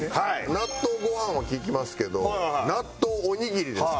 納豆ご飯は聞きますけど納豆おにぎりですか？